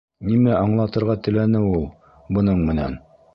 Нимә аңлатырға теләне ул бының менән?